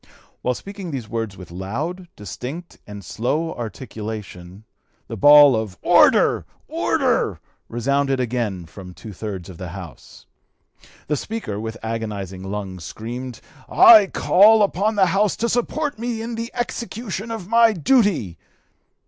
While speaking these words with loud, distinct, and slow (p. 259) articulation, the bawl of 'order! order!' resounded again from two thirds of the House. The Speaker, with agonizing lungs, screamed, 'I call upon the House to support me in the execution of my duty!'